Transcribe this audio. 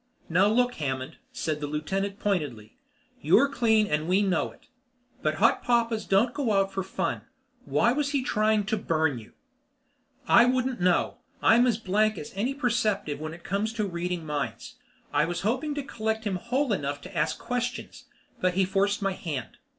"Now look, Hammond," said the lieutenant pointedly, "You're clean and we know it. But hot papas don't go out for fun. Why was he trying to burn you?" "I wouldn't know. I'm as blank as any perceptive when it comes to reading minds. I was hoping to collect him whole enough to ask questions, but he forced my hand."